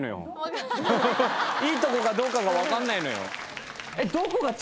いいとこかどうかが分かんないのよ